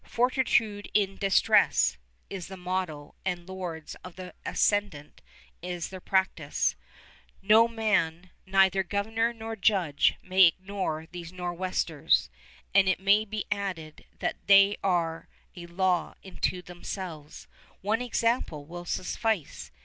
"Fortitude in Distress" is the motto and lords of the ascendant is their practice. No man, neither governor nor judge, may ignore these Nor'westers, and it may be added they are a law unto themselves. One example will suffice.